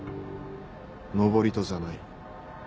登戸じゃない。